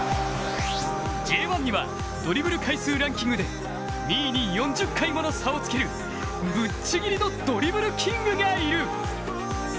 Ｊ１には、ドリブル回数ランキングで２位に４０回もの差をつけるぶっちぎりのドリブルキングがいる。